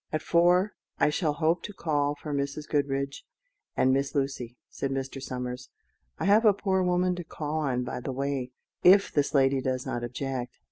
"At four I shall hope to call for Mrs. Goodriche and Miss Lucy," said Mr. Somers. "I have a poor woman to call on by the way, if this lady does not object.